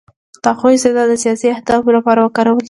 د هغوی استعداد د سیاسي اهدافو لپاره وکارول شو